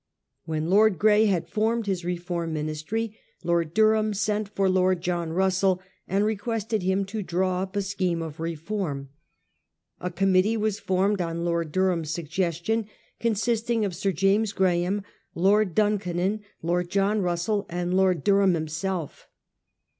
When Lord Grey had formed his re form Ministry, Lord Durham sent for Lord John Russell and requested him to draw up a scheme of reform. A committee was formed on Lord Durham's suggestion, consisting of Sir James Graham, Lord Dun cannon, Lord John Russell, and Lord Durham himself.